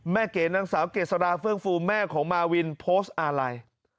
แม่เก๋นางสาวเกษฐาเฟิร์งฟูแม่ของมาวินโพสต์อาลัย